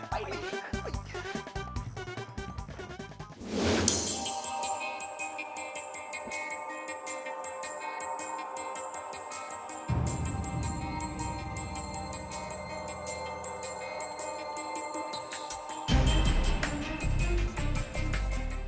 ไปเลย